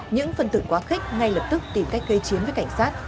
những phần tử quá khích ngay lập tức tìm cách gây chiến với cảnh sát